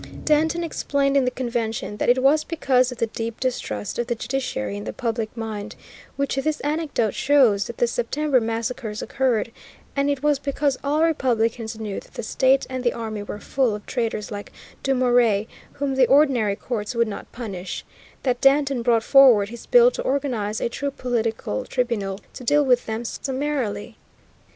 Danton explained in the Convention that it was because of the deep distrust of the judiciary in the public mind, which this anecdote shows, that the September massacres occurred, and it was because all republicans knew that the state and the army were full of traitors like Dumouriez, whom the ordinary courts would not punish, that Danton brought forward his bill to organize a true political tribunal to deal with them summarily.